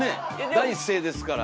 第一声ですから。